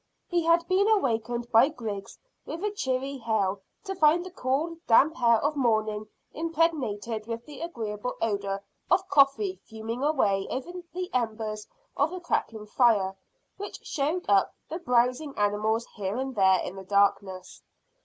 He had been awakened by Griggs with a cheery hail, to find the cool damp air of morning impregnated with the agreeable odour of coffee fuming away over the embers of a crackling fire which showed up the browsing animals here and there in the darkness.